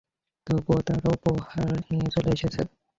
তবুও, তারা উপহার নিয়ে চলে এসেছে।